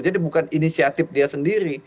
jadi bukan inisiatif dia sendiri